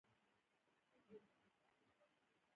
د اقتصادي پرمختګونو له امله زړور او مست کړل.